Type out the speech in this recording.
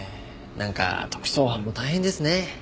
なんか特捜班も大変ですね。